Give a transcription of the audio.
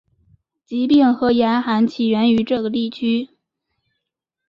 疾病和严寒起源于这个地区。